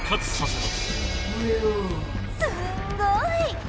すんごい！